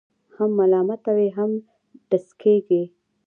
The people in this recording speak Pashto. هم ملامته وي، هم ټسکېږي.